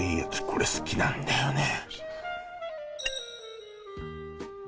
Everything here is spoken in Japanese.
これ好きなんだよね